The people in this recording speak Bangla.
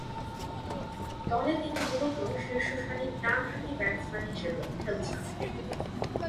দলে তিনি মূলতঃ শীর্ষসারির ডানহাতি ব্যাটসম্যান হিসেবে খেলছেন।